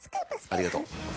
ありがとう。